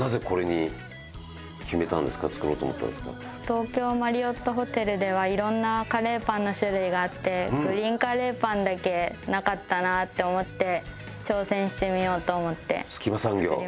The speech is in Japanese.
東京マリオットホテルではいろんなカレーパンの種類があってグリーンカレーパンだけなかったなって思って挑戦してみようと思って。